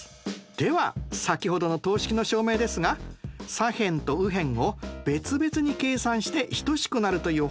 では先ほどの等式の証明ですが左辺と右辺を別々に計算して等しくなるという方法で証明してみましょう。